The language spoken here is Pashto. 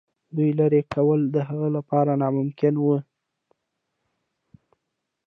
دوی لیري کول د هغه لپاره ناممکن وه.